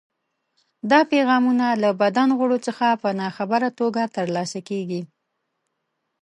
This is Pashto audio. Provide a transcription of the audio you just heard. دا پیغامونه له بدن غړو څخه په ناخبره توګه ترلاسه کېږي.